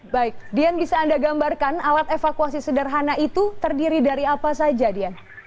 baik dian bisa anda gambarkan alat evakuasi sederhana itu terdiri dari apa saja dian